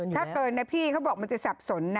ถ้าเกินนะพี่เขาบอกมันจะสับสนนะ